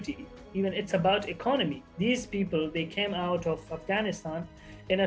pemerintahan demokrat sebelumnya mengadil negara